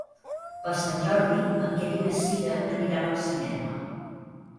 Per Sant Jordi en Quer i na Cira aniran al cinema.